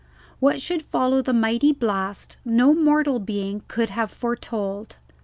What should follow the mighty blast no mortal being could have foretold.